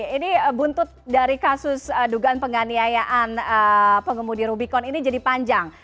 ini buntut dari kasus dugaan penganiayaan pengemudi rubicon ini jadi panjang